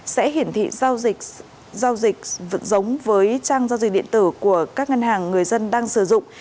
sẽ hiển thị giao dịch giao dịch giống với trang giao dịch điện tử của các ngân hàng người dân đang sử dụng